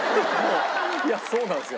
いやそうなんですよ。